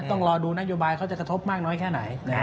ต้องรอดูนโยบายเขาจะกระทบมากน้อยแค่ไหน